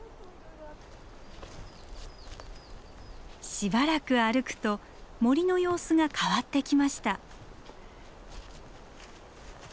しばらく歩くと森の様子が変わってきました。